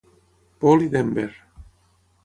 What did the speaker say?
Paul i Denver.